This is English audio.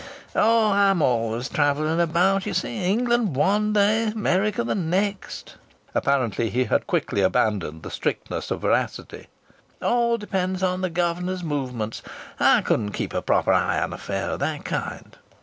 "Oh, I'm always travelling about, you see. England one day America the next." (Apparently he had quickly abandoned the strictness of veracity.) "All depends on the governor's movements! I couldn't keep a proper eye on an affair of that kind."